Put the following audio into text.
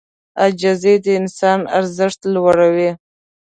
عاجزي د انسان ارزښت لوړوي.